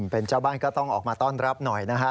เป็นเจ้าบ้านก็ต้องออกมาต้อนรับหน่อยนะฮะ